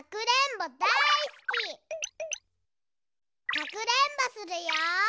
かくれんぼするよ。